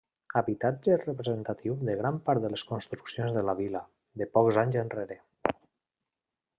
Habitatge representatiu de gran part de les construccions de la vila, de pocs anys enrere.